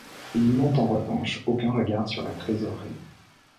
Ils n'ont en revanche aucun regard sur la Trésorerie.